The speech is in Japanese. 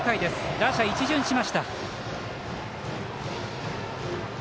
打者一巡しました。